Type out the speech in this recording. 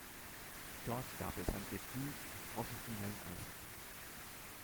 Dort gab er sein Debüt im professionellen Eishockey.